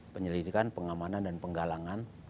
penyelidikan pengamanan dan penggalangan